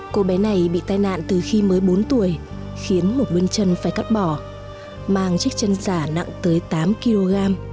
cô bé này bị tai nạn từ khi mới bốn tuổi khiến một nguyên chân phải cắt bỏ mang chiếc chân giả nặng tới tám kg